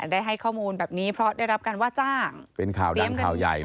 ได้ให้ข้อมูลแบบนี้เพราะได้รับการว่าจ้างเป็นข่าวดังข่าวใหญ่